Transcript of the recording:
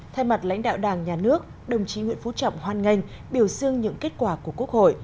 thay mặt lãnh đạo đảng nhà nước đồng chí nguyễn phú trọng hoan nghênh biểu dương những kết quả của quốc hội